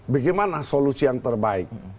bagaimana solusi yang terbaik